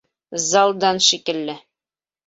— Залдан шикелле...